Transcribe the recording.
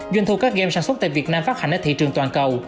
doanh thu các game sản xuất tại việt nam phát hành ở thị trường toàn cầu